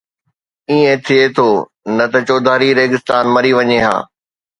ائين ٿئي ٿو، نه ته چوڌاري ريگستان مري وڃي ها